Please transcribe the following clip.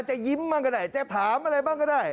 จะยิ้มบ้างก็ได้จะถามอะไรบ้างก็ได้